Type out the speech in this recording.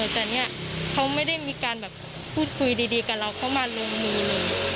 แต่เนี่ยเขาไม่ได้มีการแบบพูดคุยดีกับเราเขามาลงมือเลย